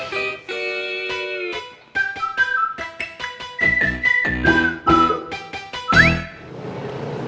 nanti saya beli